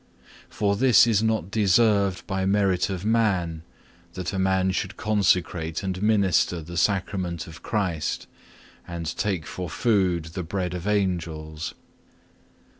For this is not deserved by merit of man that a man should consecrate and minister the Sacrament of Christ, and take for food the bread of Angels.